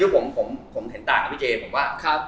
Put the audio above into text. คือผมเห็นต่างกับพี่เจผมว่า